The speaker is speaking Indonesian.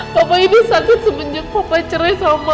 papa ini sakit semenjak papa cerai sama mama